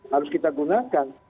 harus kita gunakan